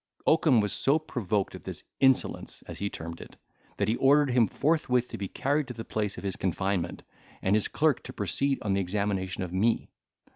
Oakum was so provoked at this insolence (as he termed it,) that he ordered him forthwith to be carried to the place of his confinement, and his clerk to proceed on the examination of me.